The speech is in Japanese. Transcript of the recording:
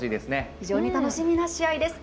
非常に楽しみな試合です。